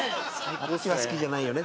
あっちは好きじゃないよね。